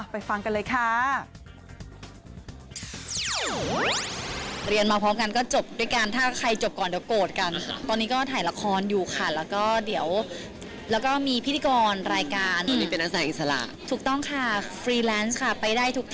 ฟังกันเลยค่ะ